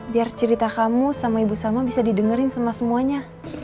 biar cerita kamu sama ibu salma bisa didengerin sama semuanya